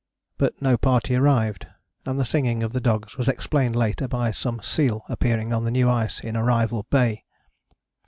But no party arrived, and the singing of the dogs was explained later by some seal appearing on the new ice in Arrival Bay.